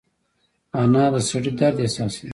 انا د سړي درد احساسوي